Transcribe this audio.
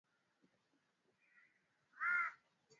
Katika kundi la mifugo lenye sifa za kuambukizwa vifo vinaweza kutokea